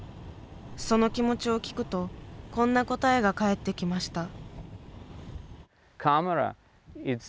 その気持ちを聞くとこんな答えが返ってきました。